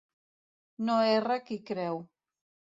No erra qui creu.